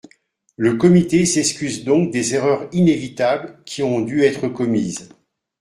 Le Comité s'excuse donc des erreurs inévitables qui ont dû être commises.